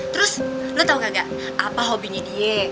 terus lo tau gak apa hobinya dia